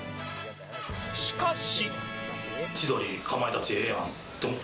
しかし。